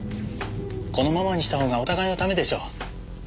このままにした方がお互いのためでしょ。